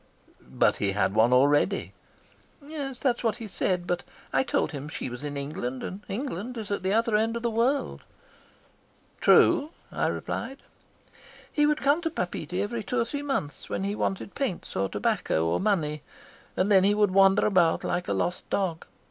"But he had one already." "That is what he said, but I told him she was in England, and England is at the other end of the world." "True," I replied. "He would come to Papeete every two or three months, when he wanted paints or tobacco or money, and then he would wander about like a lost dog.